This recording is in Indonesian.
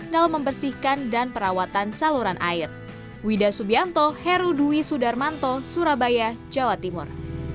dalam membersihkan dan perawatan saluran air